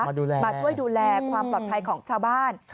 มาดูแลมาช่วยดูแลความปลอดภัยของชาวบ้าน